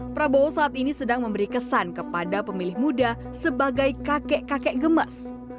prabowo saat ini sedang memberi kesan kepada pemilih muda sebagai kakek kakek gemes